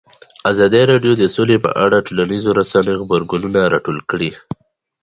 ازادي راډیو د سوله په اړه د ټولنیزو رسنیو غبرګونونه راټول کړي.